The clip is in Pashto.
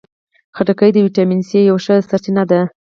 خټکی د ویټامین سي یوه ښه سرچینه ده.